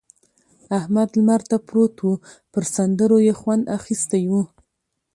احمد لمر ته پروت وو؛ پر سندرو يې خوند اخيستی وو.